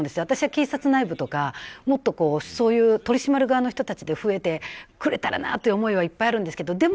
私は警察内部とかそういう取り締まる側の人たちが増えてくれたらなという思いはいっぱいあるんですけど。